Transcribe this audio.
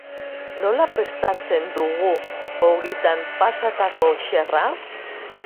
Nola prestatzen dugu ogitan pasatako xerra?